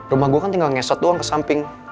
rumah gue kan tinggal ngesot doang ke samping